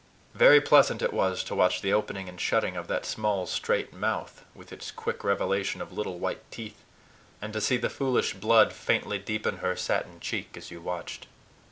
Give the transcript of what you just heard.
Very pleasant it was to watch the opening and shutting of that small straight mouth, with its quick revelation of little white teeth, and to see the foolish blood faintly deepen her satin cheek as you watched.